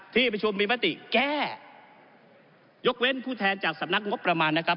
ที่ประชุมมีมติแก้ยกเว้นผู้แทนจากสำนักงบประมาณนะครับ